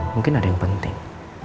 mungkin ada yang penting